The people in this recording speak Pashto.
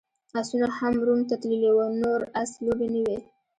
اسونه هم روم ته تللي وو، نور اس لوبې نه وې.